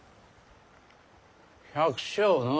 百姓のう。